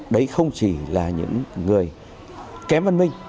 đấy không chỉ là những người kém văn minh